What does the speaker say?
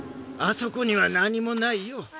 あそこにはなにもないよ。